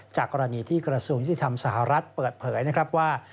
กรณีที่กระทรวงยุติธรรมสหรัฐเปิดเผยนะครับว่า